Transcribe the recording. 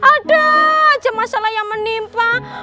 ada aja masalah yang menimpa